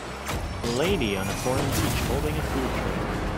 A lady on a foreign beach holding a food tray